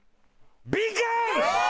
ビンカン！